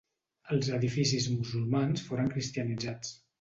Els edificis musulmans foren cristianitzats.